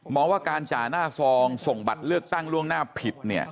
บอกว่าการจ่าหน้าซองส่งบัตรเลือกตั้งล่วงหน้าผิดเนี่ย